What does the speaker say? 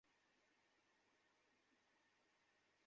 আমি ইসলাম গ্রহণ করলাম।